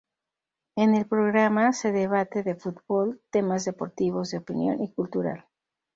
En el programa se debate de futbol, temas deportivos de opinión y cultural.